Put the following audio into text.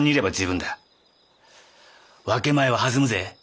分け前は弾むぜ。